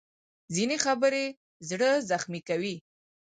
ځینې خبرې زړه زخمي کوي